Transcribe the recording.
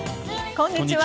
こんにちは。